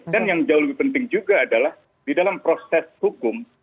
dan yang jauh lebih penting juga adalah di dalam proses hukum